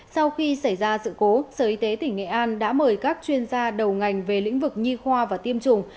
sau khi xảy ra sự cố sở y tế tỉnh nghệ an đã mời các chuyên gia đầu ngành về lĩnh vực nhi khoa và tiêm chủng